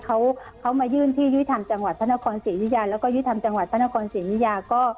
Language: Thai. เรื่องพลบอคคสตรทแทนผู้เสียหาย